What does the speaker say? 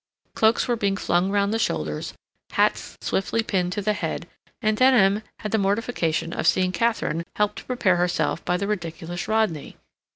Cloaks were being flung round the shoulders, hats swiftly pinned to the head; and Denham had the mortification of seeing Katharine helped to prepare herself by the ridiculous Rodney.